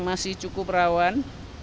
masih cukup rawan